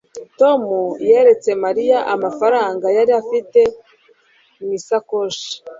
tom yeretse mariya amafaranga yari afite mu isakoshi